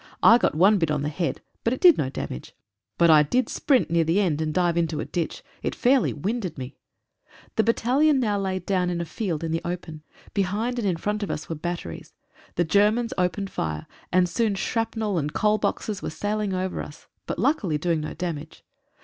I got one bit on the head, but it did no damage. But I did sprint near the end, and dive into a ditch. It fairly winded me. The bat talion now lay down in a field in the open. Behind and in front of us were batteries. The Germans opened fire, and soon shrapnel and "coal boxes" were sailing over us, but luckily doing no damage.